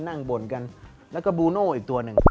บ่นกันแล้วก็บูโน่อีกตัวหนึ่ง